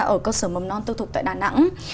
ở cơ sở mầm non tư thục tại đà nẵng